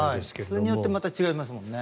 それによってまた違いますもんね。